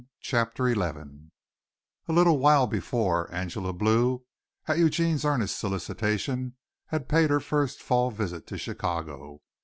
CHAPTER XI A little while before, Angela Blue at Eugene's earnest solicitation had paid her first Fall visit to Chicago.